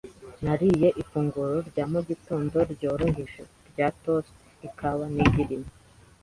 Nariye ifunguro rya mu gitondo ryoroheje rya toast, ikawa, n'igi rimwe .)